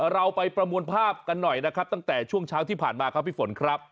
เราไปประมวลภาพกันหน่อยนะครับตั้งแต่ช่วงเช้าที่ผ่านมาครับพี่ฝนครับ